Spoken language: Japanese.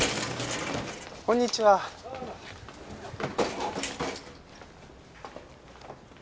こんにちは。ああ。